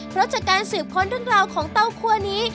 เพราะจากการสืบค้นเรื่องราวของเต้าคั่วนี้